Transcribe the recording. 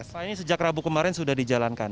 pak ini sejak rabu kemarin sudah dijalankan